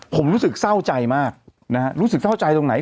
ผมรู้สึกเศร้าใจมากนะฮะรู้สึกเศร้าใจตรงไหน